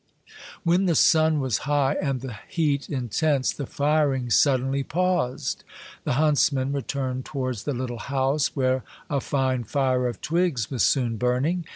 When the sun was high and the heat intense, the firing suddenly paused. The huntsmen returned towards the Httle house, where a fine fire of twigs was soon burning.